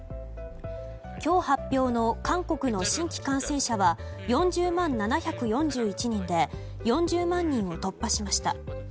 今日発表の韓国の新規感染者は４０万７４１人で４０万人を突破しました。